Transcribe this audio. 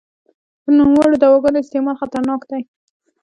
د نوموړو دواګانو استعمال خطرناک دی.